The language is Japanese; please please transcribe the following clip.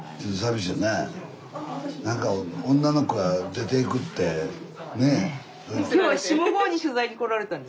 何か女の子が出ていくってねえ。